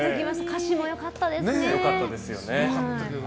歌詞も良かったですよね。